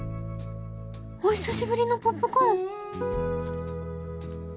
お久しぶりのポップコーン！